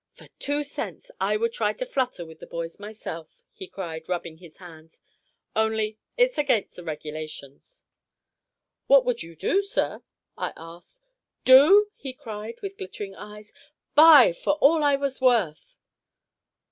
For two cents, I would try a flutter with the boys myself," he cried, rubbing his hands; "only it's against the regulations." "What would you do, sir?" I asked. "Do?" he cried, with glittering eyes. "Buy for all I was worth!"